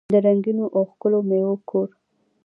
د رنګینو او ښکلو میوو کور.